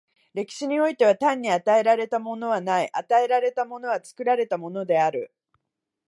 歴史においては、単に与えられたものはない、与えられたものは作られたものである。